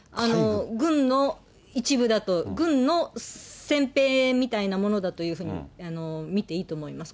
軍の一部だと、軍のせんぺいみたいなものだというふうに見ていいと思うんです。